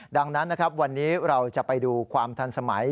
ดังนั้นนะครับวันนี้เราจะไปดูความทันสมัย